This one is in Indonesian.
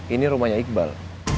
ini rumahnya iqbal